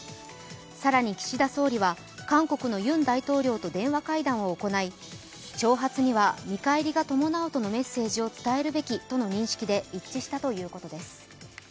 更に岸田総理は韓国のユン大統領と電話会談を行い、挑発には見返りが伴うとのメッセージを伝えるべきとの認識で一致したということです。